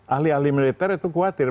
ahli ahli militer itu khawatir